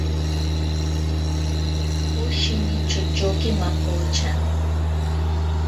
Poshini chochoki mapocha.